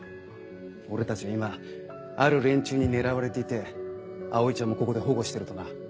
俺たちは今ある連中に狙われていて葵ちゃんもここで保護してるとな。